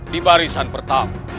di barisan pertama